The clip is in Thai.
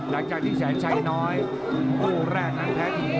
อย่างนี้มันยังไง